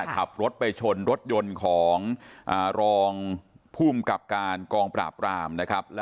ขับรถไปชนรถยนต์ของรองภูมิกับการกองปราบรามนะครับ